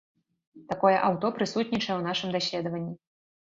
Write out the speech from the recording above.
Такое аўто прысутнічае ў нашым даследаванні.